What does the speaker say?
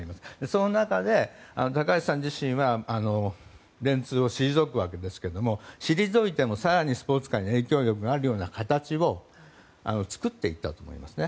その中で、高橋さん自身は電通を退くわけですが退いても、更にスポーツ界に影響があるような形を作っていったと思うんですね。